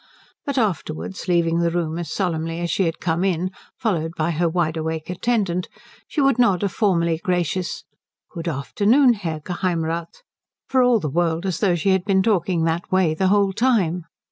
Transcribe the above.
But afterwards, leaving the room as solemnly as she had come in, followed by her wide awake attendant, she would nod a formally gracious "Good afternoon, Herr Geheimrath," for all the world as though she had been talking that way the whole time.